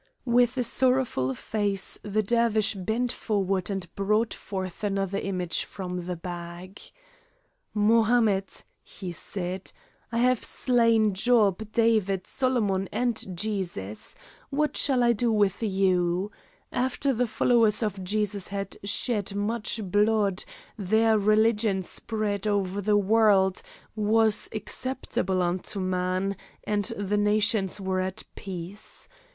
With a sorrowful face the Dervish bent forward and brought forth another image from the bag. "Mohammed," he said, "I have slain Job, David, Solomon, and Jesus. What shall I do with you? After the followers of Jesus had shed much blood, their religion spread over the world, was acceptable unto man, and the nations were at peace.